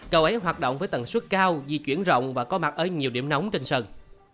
cầu ấy hoạt động với tần suất cao di chuyển rộng và có mặt ở nhiều điểm nóng trên sân